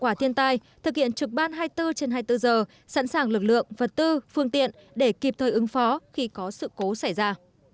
quả thiên tai thực hiện trực ban hai mươi bốn trên hai mươi bốn giờ sẵn sàng lực lượng vật tư phương tiện để kịp thời ứng phó khi có sự cố xảy ra